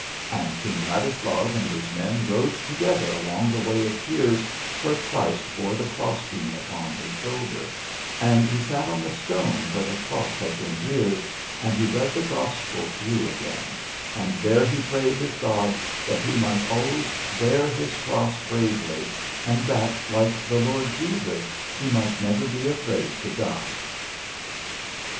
And King Ladislaus and his men rode together along the Way of Tears, where Christ bore the cross beam upon his shoulder, and he sat on the stone where the cross had been reared, and he read the gospel through again; and there he prayed his God that he might always bear his cross bravely, and that, like the Lord Jesus, he might never be afraid to die.